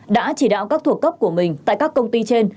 đã chỉ đạo các thuộc cấp của mình tại các công ty trên